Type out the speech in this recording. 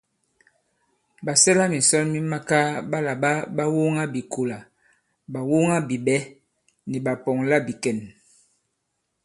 Ɓàsɛlamìsɔn mi makaa ɓa làɓa ɓàwoŋabìkolà, ɓàwoŋabiɓɛ̌ ni ɓàpɔ̀ŋlabìkɛ̀n.